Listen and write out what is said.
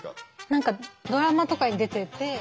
何かドラマとかに出てて。